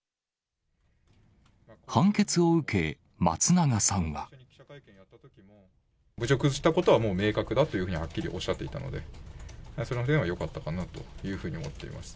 判決を受け、松永さんは。侮辱したことはもう明確だというふうにはっきりおっしゃっていたので、その点はよかったかなというふうに思っています。